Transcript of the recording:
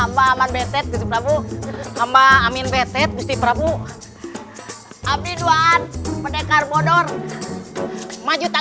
amba aman betet gusit prabu amba amin betet gusit prabu amri duan pendekar bodor maju tak